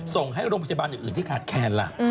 ส่งให้โรงพยาบาลอื่นที่ขาดแคลนล่ะ